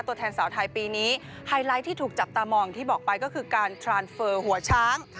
ตัวแทนสาวไทยปีนี้ไฮไลท์ที่ถูกจับตามองที่บอกไปก็คือการทรานเฟอร์หัวช้าง